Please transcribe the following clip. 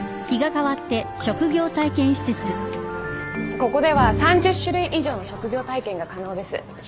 ここでは３０種類以上の職業体験が可能です。